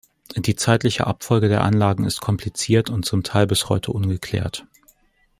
Die zeitliche Abfolge der Anlagen ist kompliziert und zum Teil bis heute ungeklärt.